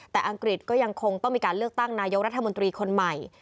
แต่อังกฤษก็ยังคงต้องมีการเลือกตั้งนายกรัฐมนตรีคนใหม่